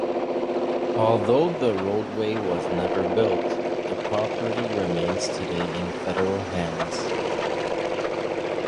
Although the roadway was never built, the property remains today in Federal hands.